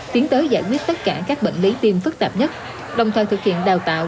tiến tới giải quyết tất cả các bệnh lý tim phức tạp nhất đồng thời thực hiện đào tạo